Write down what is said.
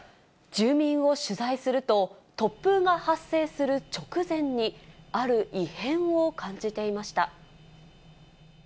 住民を取材すると、突風が発生する直前に、ある異変を感じていました。